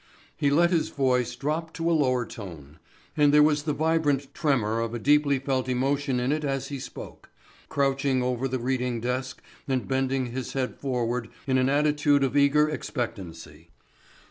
He let his voice drop to a lower tone, and there was the vibrant tremor of a deeply felt emotion in it as he spoke, crouching over the reading desk and bending his head forward in an attitude of eager expectancy.